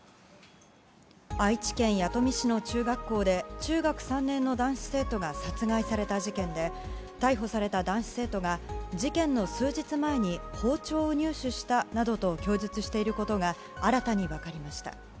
愛知県弥富市の中学校で中学３年の男子生徒が殺害された事件で逮捕された男子生徒が事件の数日前に包丁を入手したなどと供述していることが新たに分かりました。